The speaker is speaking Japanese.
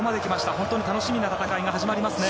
本当に楽しみな戦いが始まりますね。